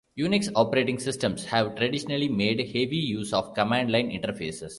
Unix operating systems have traditionally made heavy use of command-line interfaces.